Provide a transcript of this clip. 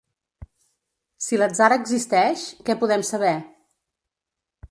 Si l’atzar existeix, què podem saber?